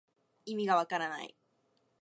いみがわからない